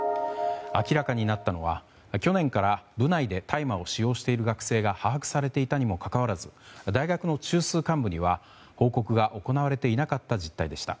明らかになったのは去年から部内で大麻を使用している学生が把握されていたにもかかわらず大学の中枢幹部には報告が行われていなかった実態でした。